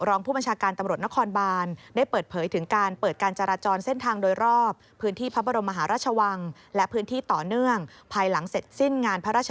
รองผู้บัญชาการตำรวจนครบาน